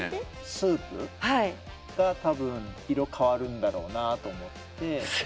スープが多分色変わるんだろうなと思って。